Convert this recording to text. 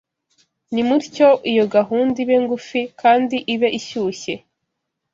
Nimutyo iyo gahunda ibe ngufi kandi ibe ishyushye,